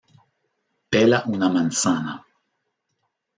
Pela una manzana.